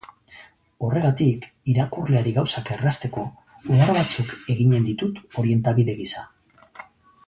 Horregatik, irakurleari gauzak errazteko, ohar batzuk eginen ditut orientabide gisa.